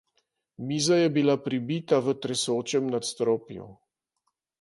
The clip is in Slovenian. Miza je bila pribita v tresočem nadstropju.